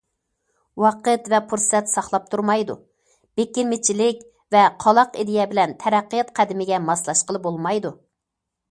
ۋاقىت ۋە پۇرسەت ساقلاپ تۇرمايدۇ، بېكىنمىچىلىك ۋە قالاق ئىدىيە بىلەن تەرەققىيات قەدىمىگە ماسلاشقىلى بولمايدۇ.